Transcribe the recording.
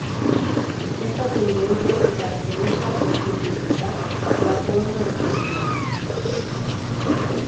Esta tendencia se caracteriza por simplificar la forma de cocinar.